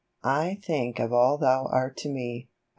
I THINK of all thou art to me, I